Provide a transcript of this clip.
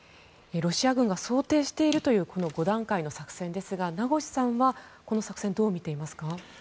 ロシア軍が想定しているというこの５段階の想定ですが名越さんはこの作戦をどう見ていますか。